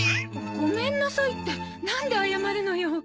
ごめんなさいってなんで謝るのよ。